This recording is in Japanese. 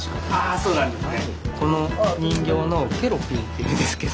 そうなんですね。